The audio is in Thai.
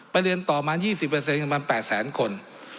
ไปเรียนต่อประมาณ๒๐ประมาณ๘๐๐๐๐๐คน